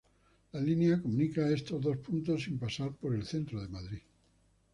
La línea comunica estos dos puntos sin pasar por el centro de Madrid.